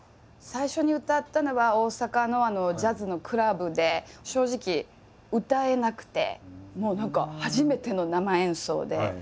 最初に歌ったのは大阪のジャズのクラブで正直歌えなくて。